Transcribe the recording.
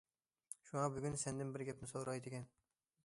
شۇڭا بۈگۈن سەندىن بىر گەپنى سوراي دېگەن.